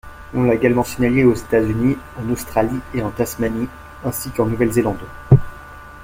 On l'a également signalée aux États-Unis, en Australie et en Tasmanie, ainsi qu'en Nouvelle-Zélande.